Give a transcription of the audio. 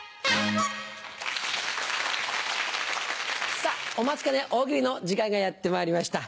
さぁお待ちかね「大喜利」の時間がやってまいりました。